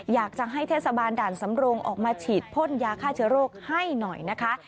อยากจะให้เทศบาลด่านสำโรงออกมาฉีดพ่นยาฆ่าเชื้อโรคให้หน่อยนะคะ